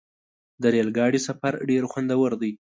د ریل ګاډي سفر ډېر خوندور دی.